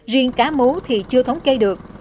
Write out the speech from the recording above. riêng cá mú thì chưa thống kê được